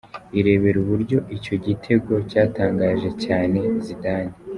Irebere uburyo icyo gitego cyatangaje cyane Zidane.